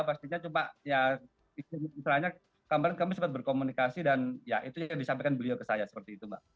pastinya cuma ya istilahnya kemarin kami sempat berkomunikasi dan ya itu yang disampaikan beliau ke saya seperti itu mbak